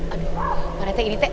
aduh pak rete ini teh